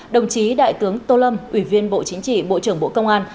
đồng chí đại tướng tô lâm ủy viên bộ chính trị bộ trưởng bộ công an